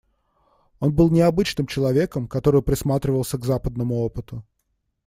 Он был необычным человеком, который присматривался к западному опыту.